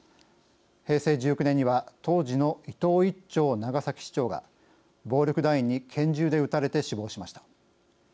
平成１９年には当時の伊藤一長長崎市長が暴力団員に拳銃で撃たれて死亡しました。